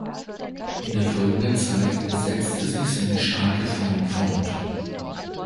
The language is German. In der folgenden Zeit setzte sich seine starke Form fort.